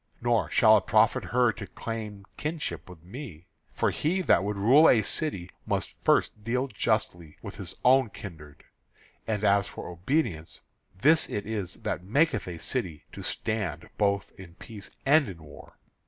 Nor shall it profit her to claim kinship with me, for he that would rule a city must first deal justly with his own kindred. And as for obedience, this it is that maketh a city to stand both in peace and in war."